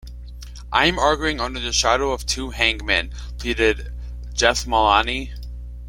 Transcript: "I am arguing under the shadow of two hangmen", pleaded Jethmalani.